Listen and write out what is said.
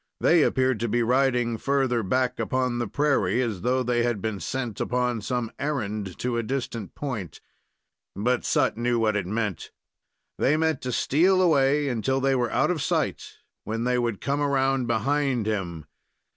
They appeared to be riding further back upon the prairie, as though they had been sent upon some errand to a distant point. But Sut knew what it meant. They meant to steal away until they were out of sight, when they would come around behind him.